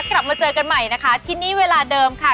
กลับมาเจอกันใหม่นะคะที่นี่เวลาเดิมค่ะ